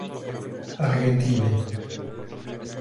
Argentiny.